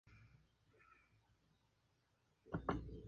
Su padre era un profesor de economía política.